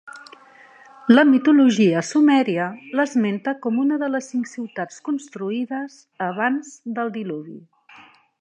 La mitologia sumèria l'esmenta com una de les cinc ciutats construïdes abans del diluvi.